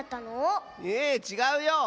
えちがうよ！